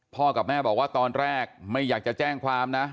กับแม่บอกว่าตอนแรกไม่อยากจะแจ้งความนะ